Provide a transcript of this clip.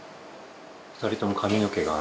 ２人とも髪の毛が。